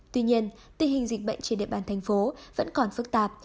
tuy nhiên tình hình dịch bệnh trên địa bàn thành phố vẫn còn phức tạp